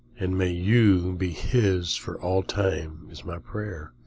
And may you be His for all time is my prayer.